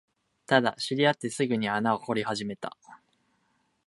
ただ、知り合ってすぐに穴を掘り始めた